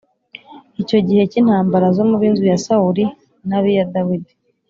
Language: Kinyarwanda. Icyo gihe cy’intambara zo mu b’inzu ya Sawuli n’ab’iya Dawidi